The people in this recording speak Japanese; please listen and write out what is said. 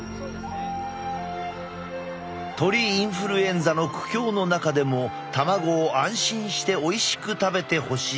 鳥インフルエンザの苦境の中でも卵を安心しておいしく食べてほしい。